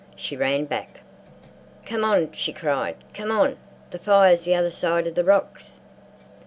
She ran back. "Come on!" she cried, "come on! The fire's the other side of the rocks!"